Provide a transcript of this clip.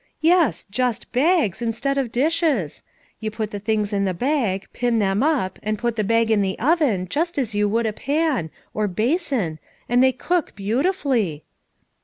" Yes, just bags, instead of dishes. Tou put the things in the bag, pin them up and put the bag in the oven just as you would a pan, or basin, and they cook beautifully."